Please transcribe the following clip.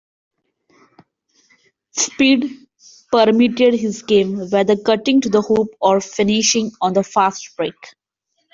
Speed permeated his game, whether cutting to the hoop or finishing on the fast-break.